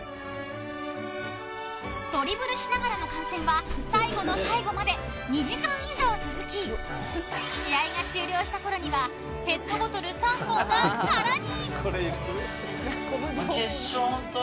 ドリブルしながらの観戦は最後の最後まで２時間以上続き試合が終了したころにはペットボトル３本が空に。